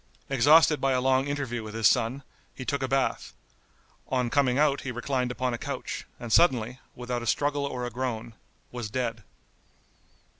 Exhausted by a long interview with his son, he took a bath; on coming out he reclined upon a couch, and suddenly, without a struggle or a groan, was dead.